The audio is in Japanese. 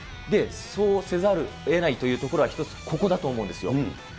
そうせざるをえないというところは一つ、ここだと思うんですよ。